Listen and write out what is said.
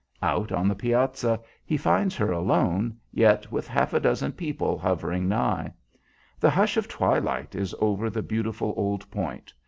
Out on the piazza he finds her alone, yet with half a dozen people hovering nigh. The hush of twilight is over the beautiful old Point.